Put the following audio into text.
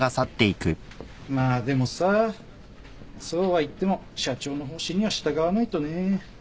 まあでもさそうはいっても社長の方針には従わないとね。